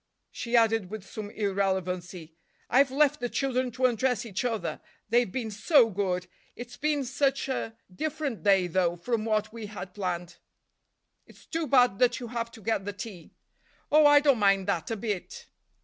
She added with some irrelevancy, "I've left the children to undress each other; they've been so good. It's been such a different day, though, from what we had planned." "It's too bad that you have to get the tea." "Oh, I don't mind that a bit."